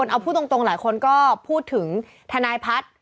เอาพูดตรงหลายคนก็พูดถึงทนายพัฒน์